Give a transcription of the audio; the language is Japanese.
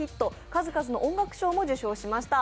数々の音楽賞も受賞しました。